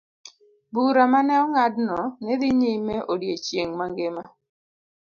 Bura ma ne ong'adno ne dhi nyime odiechieng' mangima.